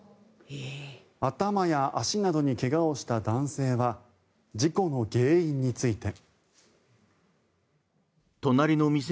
頭や足などに怪我をした男性は事故の原因について。